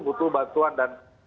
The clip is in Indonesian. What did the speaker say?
butuh bantuan dan